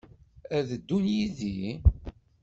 Ad d-ddun yid-i?